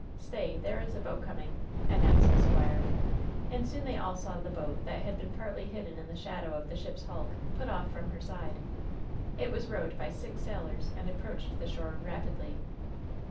Stay, there is a boat coming," announced the squire, and soon they all saw the boat that had been partly hidden in the shadow of the ship's hulk, put off from her side. It was rowed by six sailors and approached the shore rapidly.